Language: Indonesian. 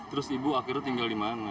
terus ibu akhirnya tinggal di mana